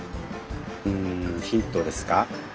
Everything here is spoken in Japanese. うんヒントですか。